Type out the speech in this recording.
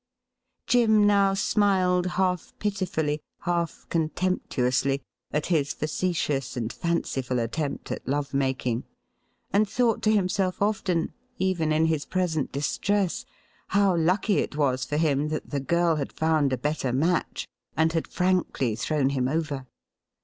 Jim now smiled half pitifully, half contemptuously, at his facetious and fanciful attempt at love making, and thought to himself often, even in his present distress, how lucky it was for him that the girl had found a better match, and had frankly thrown him over.